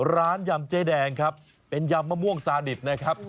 ยำเจ๊แดงครับเป็นยำมะม่วงซาดิตนะครับ